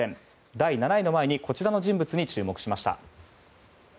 第７位の前にこちらの人物に注目しました。